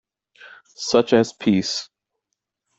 Such as peace.